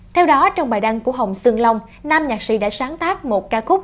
theo đó trong bài đăng của hồng sương long nam nhạc sĩ đã sáng tác một ca khúc